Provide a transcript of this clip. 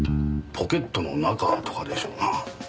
ポケットの中とかでしょうな。